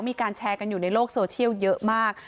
มีการแชร์กันอยู่ในโลกโซเชียลเยอะมาก